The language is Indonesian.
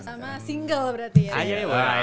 sama single berarti ya